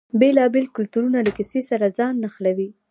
بیلابیل کلتورونه له کیسې سره ځان نښلوي.